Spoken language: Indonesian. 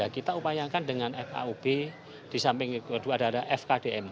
kita upayakan dengan fkub di samping kedua adalah fkdm